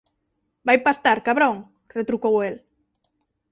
Vai pastar, cabrón –retrucou el.